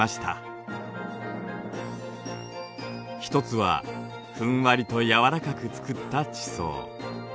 一つはふんわりと柔らかくつくった地層。